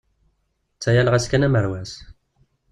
Ttsayaleɣ-as kan amerwas.